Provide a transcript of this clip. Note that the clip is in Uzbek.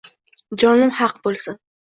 jonim haq bo’lsin.